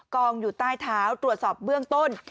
กองอยู่ใต้เท้าตรวจสอบเบื้องต้น